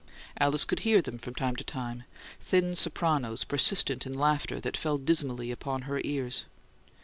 Alice could hear them from time to time; thin sopranos persistent in laughter that fell dismally upon her ears.